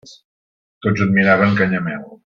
Tots admiraven Canyamel.